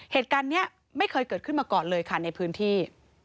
เหตุการณ์นี้ไม่เคยเกิดขึ้นมาก่อนเลยค่ะในพื้นที่